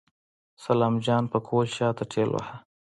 سلام جان پکول شاته ټېلوهه.